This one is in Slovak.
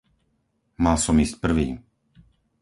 Mal som ísť prvý.